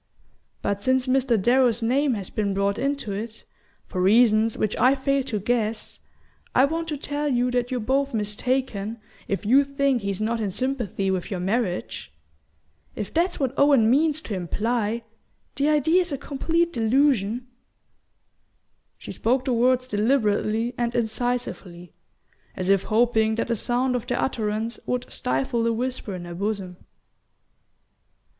But since Mr. Darrow's name has been brought into it, for reasons which I fail to guess, I want to tell you that you're both mistaken if you think he's not in sympathy with your marriage. If that's what Owen means to imply, the idea's a complete delusion." She spoke the words deliberately and incisively, as if hoping that the sound of their utterance would stifle the whisper in her bosom.